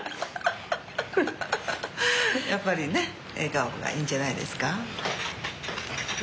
やっぱりね笑顔がいいんじゃないですか。